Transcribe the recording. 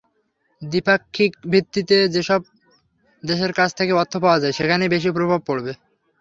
দ্বিপাক্ষিকভিত্তিতে যেসব দেশের কাছ থেকে অর্থ পাওয়া যায়, সেখানেই বেশি প্রভাব পড়বে।